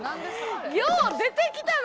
よう出てきたな！